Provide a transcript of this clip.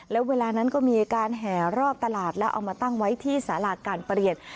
แล้วเวลานั้นก็มีการแห่รอบตลาดแล้วเอามาตั้งไว้ที่สาราการเปลี่ยน